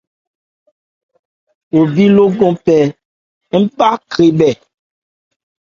Khɔ bhye lókɔn pɛ npá grebhɛ.